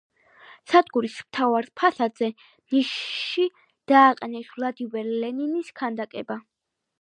სადგურის მთავარ ფასადზე, ნიშში დააყენეს ვლადიმერ ლენინის ქანდაკება.